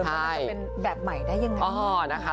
แล้วมันจะเป็นแบบใหม่ได้ยังไง